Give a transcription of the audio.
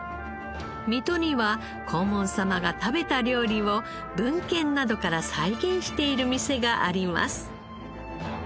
水戸には黄門様が食べた料理を文献などから再現している店があります。